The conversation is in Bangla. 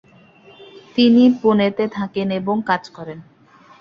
তিনি পুনেতে থাকেন এবং কাজ করেন।